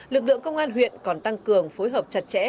lực lượng công an huyện còn tăng cường phối hợp chặt chẽ